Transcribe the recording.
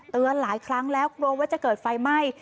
หลายครั้งแล้วกลัวว่าจะเกิดไฟไหม้